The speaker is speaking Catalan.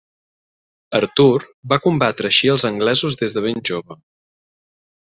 Artur va combatre així als anglesos des de ben jove.